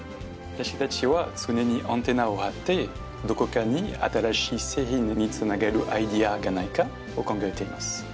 私たちは常にアンテナを張ってどこかに新しい製品に繋がるアイデアがないかを考えています。